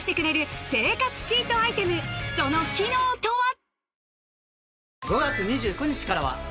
その機能とは？